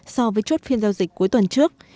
so với chốt phiên giao dịch cuối tuần trước